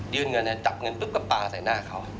ยื่นเงินจับเงินปลั๊บปลาใส่หน้าเขา